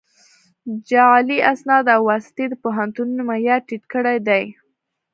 جعلي اسناد او واسطې د پوهنتونونو معیار ټیټ کړی دی